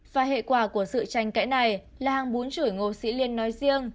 và hệ quả của sự tranh cãi này là hàng bún chửi ngô sĩ liên nói riêng